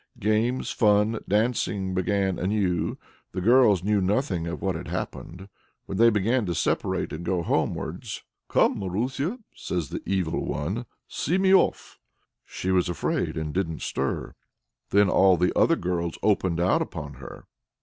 Games, fun, dancing, began anew; the girls knew nothing of what had happened. When they began to separate and go homewards: "Come, Marusia!" says the Evil One, "see me off." She was afraid, and didn't stir. Then all the other girls opened out upon her.